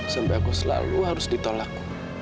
sampai aku selalu harus ditolak